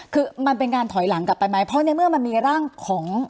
คือมันเป็นการถอยหลังกลับไปไหมเพราะในเมื่อมันมีร่างของ